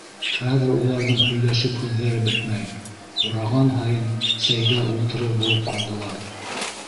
Хәҙер уларҙың һөйләшеп һүҙҙәре бөтмәй, ураған һайын сәйгә ултырыр булып алдылар.